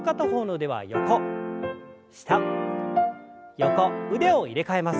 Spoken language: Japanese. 腕を入れ替えます。